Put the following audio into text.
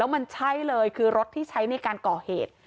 มันใช่เลยคือรถที่ใช้ในการก่อเหตุ